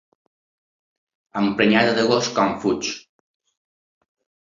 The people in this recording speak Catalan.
Emprenyada de gos com fuig.